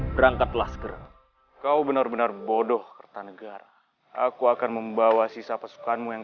berangkatlah segera kau benar benar bodoh kerta negara aku akan membawa sisa pesukanmu yang